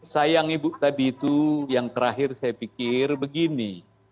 sayang ibu tadi itu yang terakhir saya pikir begini